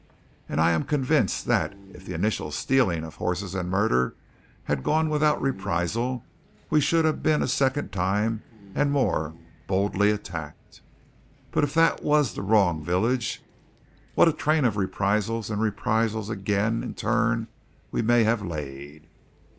And I am convinced that if the initial stealing of horses and murder had gone without reprisal, we should have been a second time and more boldly attacked. But if that was the wrong village, what a train of reprisals and reprisals again in turn we may have laid!